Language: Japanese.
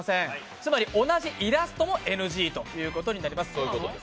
つまり同じイラストもＮＧということになります